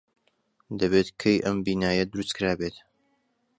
دەبێت کەی ئەم بینایە دروست کرابێت.